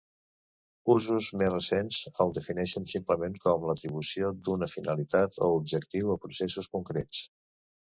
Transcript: Usos més recents el defineixen simplement com l'atribució d'una finalitat o objectiu a processos concrets.